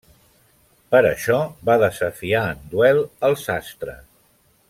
Per això va desafiar en duel el sastre.